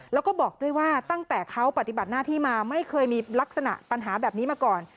แล้วก็บอกด้วยว่าตั้งแต่เขาปฏิบัติหน้าที่มาไม่เคยมีลักษณะปัญหาแบบนี้มาก่อน